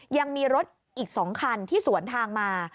ยังมีรถอีก๒คันที่สวนทางมา